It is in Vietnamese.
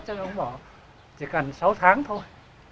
chỉ cần sáu tháng thôi